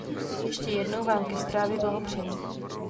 Ještě jednou vám ke zprávě blahopřeji.